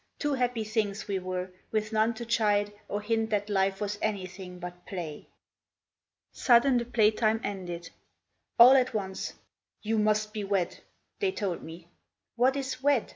Two happy things we were, with none to chide Or hint that life was anything but play. Sudden the play time ended. All at once "You must be wed," they told me. "What is wed?"